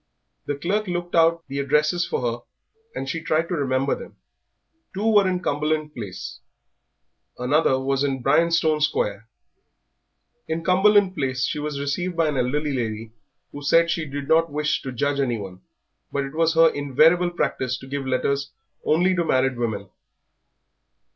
The clerk looked out the addresses for her and she tried to remember them two were in Cumberland Place, another was in Bryanstone Square. In Cumberland Place she was received by an elderly lady who said she did not wish to judge anyone, but it was her invariable practice to give letters only to married women.